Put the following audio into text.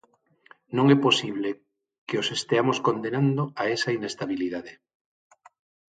Non é posible que os esteamos condenando a esa inestabilidade.